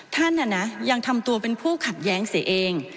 ท่านยังทำตัวเป็นผู้ขัดแย้งเสียเอง